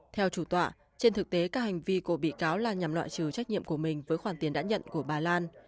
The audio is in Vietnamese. theo chủ tọa trên thực tế các hành vi của bị cáo là nhằm loại trừ trách nhiệm của mình với khoản tiền đã nhận của bà lan